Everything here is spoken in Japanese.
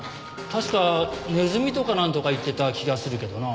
確かネズミとかなんとか言ってた気がするけどな。